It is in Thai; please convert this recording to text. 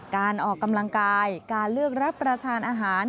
การออกกำลังกายการเลือกรับประทานอาหาร